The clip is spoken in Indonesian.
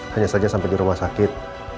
hanya saja sampai di rumah sakit